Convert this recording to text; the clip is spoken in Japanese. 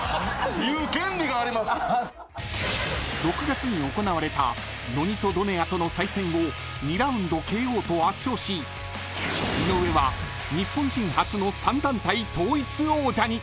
［６月に行われたノニト・ドネアとの再戦を２ラウンドＫＯと圧勝し井上は日本人初の３団体統一王者に！］